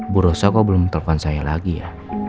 bu rosa kok belum telpon saya lagi ya